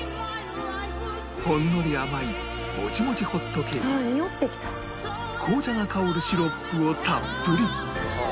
ほんのり甘いもちもちホットケーキに紅茶が香るシロップをたっぷり！